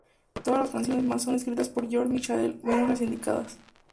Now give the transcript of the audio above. Todas las canciones son escritas por George Michael, menos las indicadas.